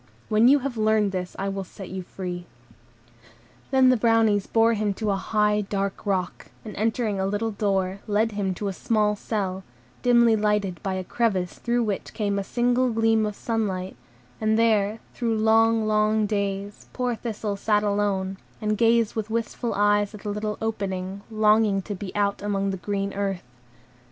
When you have learned this, I will set you free." Then the Brownies bore him to a high, dark rock, and, entering a little door, led him to a small cell, dimly lighted by a crevice through which came a single gleam of sunlight; and there, through long, long days, poor Thistle sat alone, and gazed with wistful eyes at the little opening, longing to be out on the green earth.